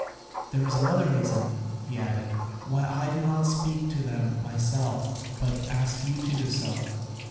There is another reason," he added, "why I do not speak to them myself, but ask you to do so.